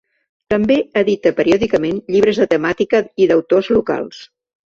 També edita periòdicament llibres de temàtica i d’autors locals.